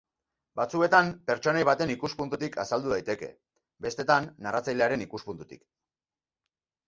Batzuetan pertsonai baten ikuspuntutik azaldu daiteke, bestetan narratzailearen ikuspuntutik.